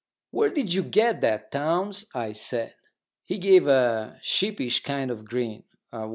"Where did you get that, Townes?" I said. He gave a sheepish kind of grin.